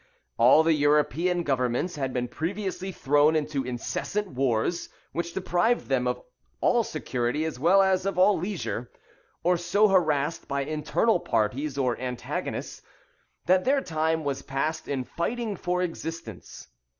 All the European governments had been previously thrown into incessant wars, which deprived them of all security as well as of all leisure, or so harassed by internal parties or antagonists, that their time was passed in fighting for existence.